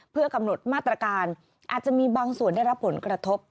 เพื่อกำหนดมาตรการอาจจะมีบางส่วนได้รับผลกระทบ